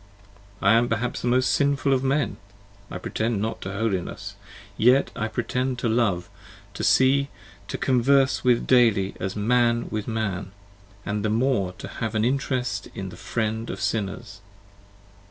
I am perhaps the most sinful of men! I pretend not to holiness! yet I pretend to love, to see, to converse with 15 daily, as man with man, & the more to have an interest in the Friend of Sinners.